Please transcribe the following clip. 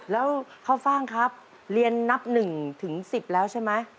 แล้วข้าวฟ่างครับเรียนนับ๑ถึง๑๐แล้วใช่ไหม